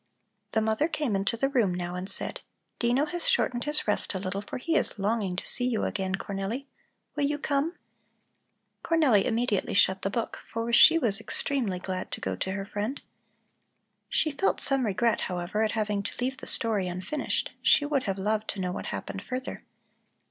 The mother came into the room now and said: "Dino has shortened his rest a little, for he is longing to see you again, Cornelli. Will you come?" Cornelli immediately shut the book, for she was extremely glad to go to her friend. She felt some regret, however, at having to leave the story unfinished; she would have loved to know what happened further.